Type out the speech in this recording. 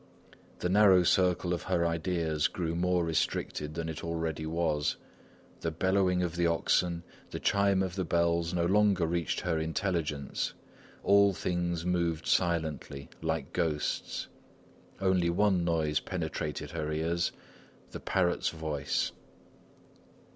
The narrow circle of her ideas grew more restricted than it already was; the bellowing of the oxen, the chime of the bells no longer reached her intelligence. All things moved silently, like ghosts. Only one noise penetrated her ears: the parrot's voice.